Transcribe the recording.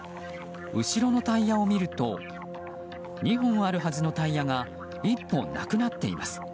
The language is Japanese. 後ろのタイヤを見ると２本あるはずのタイヤが１本なくなっています。